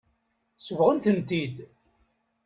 Sebɣent-tent-id.